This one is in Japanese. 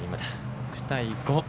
６対５。